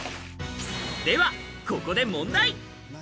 ではここで問題！